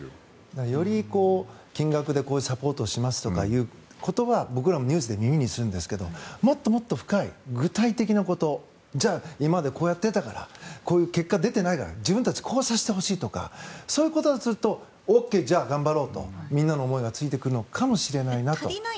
より金額でサポートしますっていう言葉を僕らもニュースで耳にしますがもっともっと深い具体的なこと今までこうやっていたけどこういう結果が出ていないから自分たち、こうさせてほしいとかそういうことを聞くとＯＫ、頑張ろうとみんなの思いがついてくるんだろうなと。